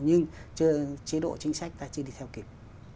nhưng chế độ chính sách ta chưa đi theo kịp